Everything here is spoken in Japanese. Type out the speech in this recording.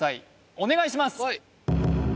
お願いします